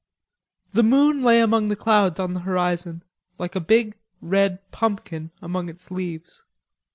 IV The moon lay among clouds on the horizon, like a big red pumpkin among its leaves.